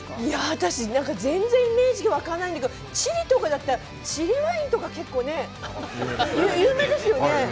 私全然イメージが湧かないんだけどチリとかだったらチリワインとか結構ね有名ですよね。